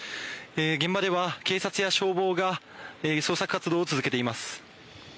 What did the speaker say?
現場では警察や消防が捜索活動を続けています。